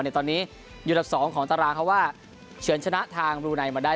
ตอนนี้อยู่อันดับ๒ของตารางเขาว่าเฉินชนะทางบรูไนมาได้